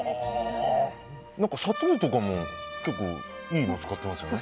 砂糖とかも結構いいの使ってますよね。